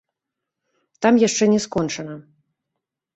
Там яшчэ не скончана.